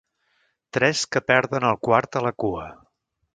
Tres que perden el quart a la cua.